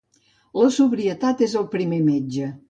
La sobrietat és el primer metge.